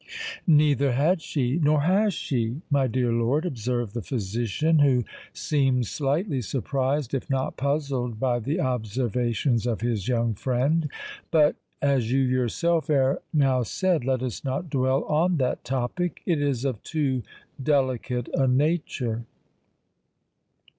"Neither had she—nor has she, my dear lord," observed the physician, who seemed slightly surprised, if not puzzled, by the observations of his young friend. "But—as you yourself ere now said—let us not dwell on that topic;—it is of too delicate a nature."